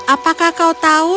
apakah kau tahu